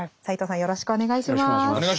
よろしくお願いします。